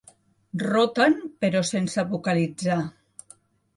Roten, però sense vocalitzar.